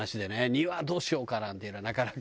庭どうしようかなんていうのはなかなか。